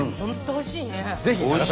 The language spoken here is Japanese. おいしい！